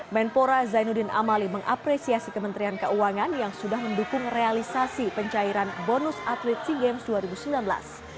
menpora zainuddin amali mengapresiasi kementerian keuangan yang sudah mendukung realisasi pencairan bonus atlet sea games dua ribu sembilan belas